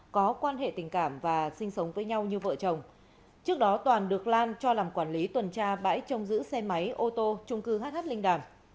có quan hệ tình cảm và sinh sống với nhau như vợ chồng trước đó toàn được lan cho làm quản lý tuần tra bãi trông giữ xe máy ô tô trung cư hh linh đàm